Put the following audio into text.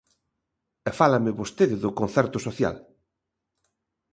E fálame vostede do concerto social.